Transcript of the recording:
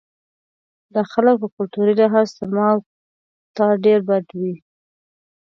دا خلک په کلتوري لحاظ تر ما او تا ډېر بدوي وو.